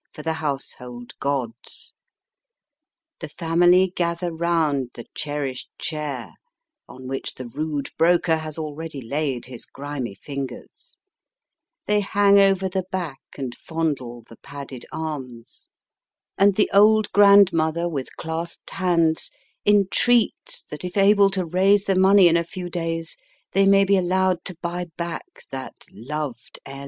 BRADDON for the household gods ; the family gather round the cherished chair, on which the rude broker has already laid his grimy fingers ; they hang over the back and fondle the padded arms ; and the old grandmother, with clasped hands, entreats that, if able to raise the money in a few days, they may be allowed to buy back that loved heirloom.